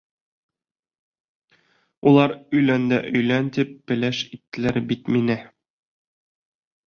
Улар өйлән дә өйлән тип пеләш иттеләр бит мине!